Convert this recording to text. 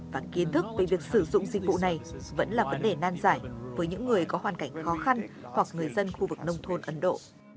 và kiến thức về việc sử dụng dịch vụ này vẫn là vấn đề nan giải với những người có hoàn cảnh khó khăn hoặc người dân khu vực nông thôn ấn độ